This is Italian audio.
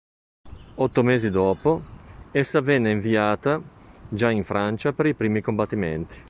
Otto mesi dopo, essa venne inviata già in Francia per i primi combattimenti.